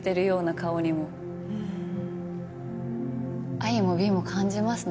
愛も美も感じますね